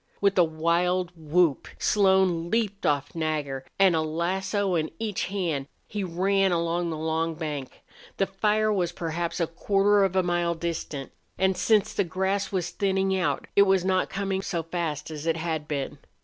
With a wild whoop Slone leaped off Nagger, and, a lasso in each hand, he ran down the long bank. The fire was perhaps a quarter of a mile distant, and, since the grass was thinning out, it was not coming so fast as it had been.